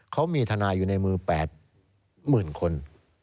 เขามีธนายอยู่ในมือ๘หมื่นคน